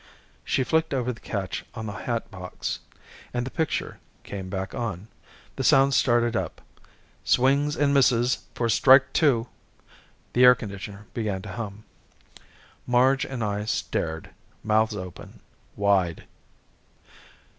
She flicked over the catch on the hatbox. And the picture came back on. The sound started up. " swings and misses for strike two!" The air conditioner began to hum. Marge and I stared. Mouths open. Wide.